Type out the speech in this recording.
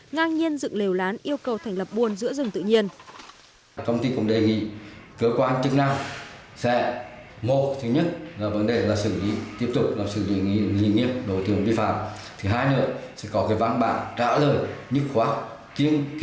ngang nhiên dựng lều lán yêu cầu thành lập buồn giữa rừng tự nhiên